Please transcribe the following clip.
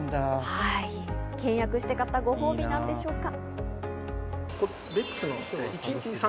倹約して買ったご褒美なんでしょうか。